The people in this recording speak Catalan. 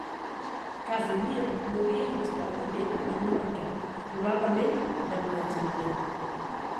Casimir moria inesperadament en un banquet, probablement d'emmetzinament.